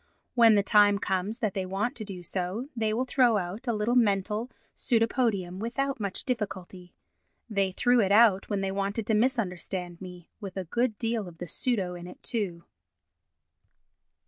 When the time comes that they want to do so they will throw out a little mental pseudopodium without much difficulty. They threw it out when they wanted to misunderstand me—with a good deal of the pseudo in it, too.